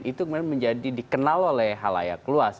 itu kemudian menjadi dikenal oleh halayak luas